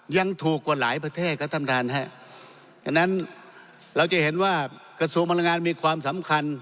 ยังถูกกว่าหลายประเทศครับท่านประธานฮะฉะนั้นเราจะเห็นว่ากระทรวงพลังงานมีความสำคัญ